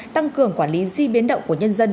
tăng cường quản lý di biến động của nhân dân